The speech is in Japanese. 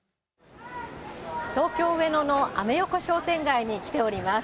東京・上野のアメ横商店街に来ております。